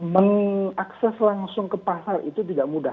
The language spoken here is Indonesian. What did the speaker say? mengakses langsung ke pasar itu tidak mudah